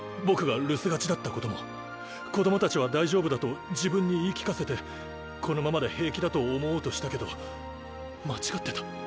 僕が留守がちだったことも子供たちは大丈夫だと自分に言い聞かせてこのままで平気だと思おうとしたけど間違ってた。